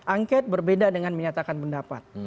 angket berbeda dengan menyatakan pendapat